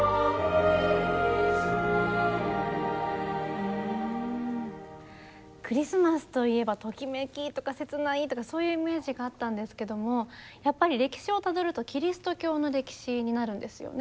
うんクリスマスといえばときめきとか切ないとかそういうイメージがあったんですけどもやっぱり歴史をたどるとキリスト教の歴史になるんですよね。